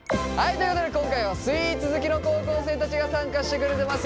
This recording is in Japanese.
ということで今回はスイーツ好きの高校生たちが参加してくれてます。